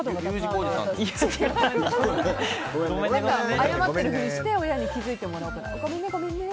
謝ってるふりして親に気付いてもらおうかと。